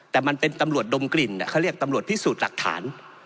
แต่มันเป็นตำรวจดมกลิ่นเขาเรียกตำรวจพิสูจน์หลักฐาน